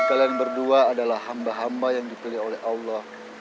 dan kalian berdua adalah hamba hamba yang dukul oleh allah